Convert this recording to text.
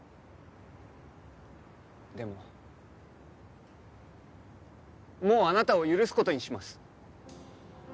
でももうあなたを許す事にします。